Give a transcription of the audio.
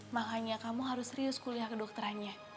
makanya kamu harus serius kuliah kedokterannya